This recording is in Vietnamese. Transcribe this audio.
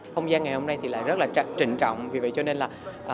không gian ngày hôm nay thì lại rất là trình trọng vì vậy cho nên là